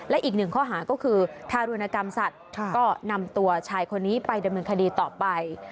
และอีกหนึ่งข้อหาก็คือทารุณกรรมสัตว์ก็นำตัวชายคนนี้ไปดำเนินคดีต่อไป